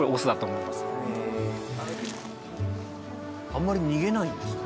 あんまり逃げないんですね。